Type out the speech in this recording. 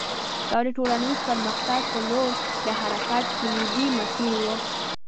دا د ټولنیز پرمختګ په لور د حرکت کلیدي مسیر و